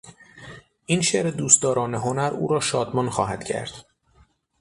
این شعر دوستداران هنر او را شادمان خواهد کرد.